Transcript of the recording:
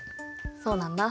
そうなんだ。